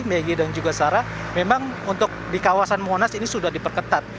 megi dan juga sarah memang untuk di kawasan monas ini sudah diperketat